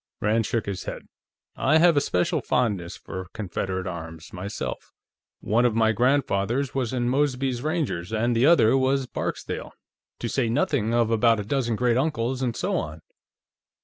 Rand shook his head. "I have a special fondness for Confederate arms, myself. One of my grandfathers was in Mosby's Rangers, and the other was with Barksdale, to say nothing of about a dozen great uncles and so on."